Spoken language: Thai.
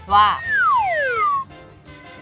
ว่า